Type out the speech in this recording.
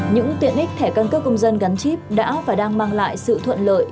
những tiện ích thẻ căn cước công dân gắn chip đã và đang mang lại sự thuận lợi